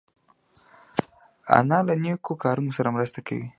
انا له نیکو کارونو سره مرسته کوي